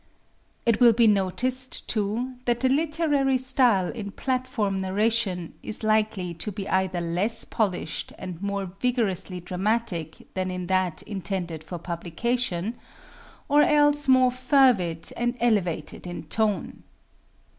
It will be noticed, too, that the literary style in platform narration is likely to be either less polished and more vigorously dramatic than in that intended for publication, or else more fervid and elevated in tone.